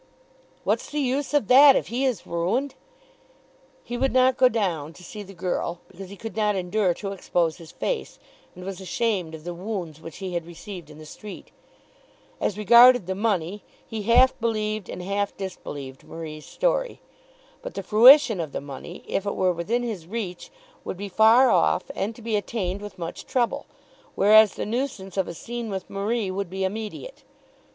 "What's the use of that, if he is ruined?" He would not go down to see the girl, because he could not endure to expose his face, and was ashamed of the wounds which he had received in the street. As regarded the money he half believed and half disbelieved Marie's story. But the fruition of the money, if it were within his reach, would be far off and to be attained with much trouble; whereas the nuisance of a scene with Marie would be immediate.